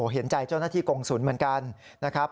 เห็นใจเจ้าหน้าที่กงศุลย์เหมือนกัน